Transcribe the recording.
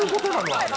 あれ。